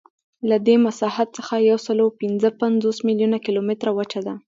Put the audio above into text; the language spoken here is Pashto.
له دې مساحت څخه یوسلاوهپینځهپنځوس میلیونه کیلومتره وچه ده.